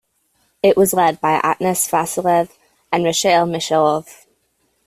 It was led by Atanas Vasilev and Michail Michailov.